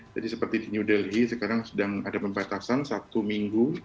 jadi seperti di new delhi sekarang sedang ada pembatasan satu minggu